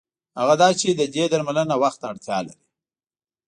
هغه دا چې د دې درملنه وخت ته اړتیا لري.